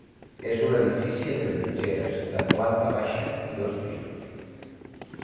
És un edifici entre mitgeres, de planta baixa i dos pisos.